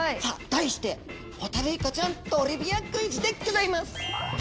題して「ホタルイカちゃんトリビアクイズ」でギョざいます！